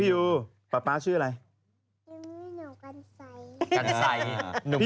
ปียูภรรยายชื่ออะไร